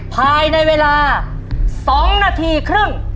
ภายในเวลา๒นาทีครึ่ง